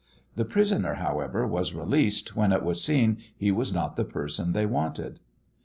The prisoner, however, was released when it was seen he was not the person they wanted.